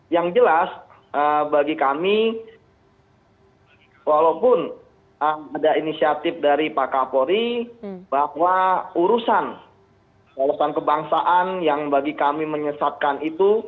yang jelas bagi kami walaupun ada inisiatif dari pak kapolri bahwa urusan kawasan kebangsaan yang bagi kami menyesatkan itu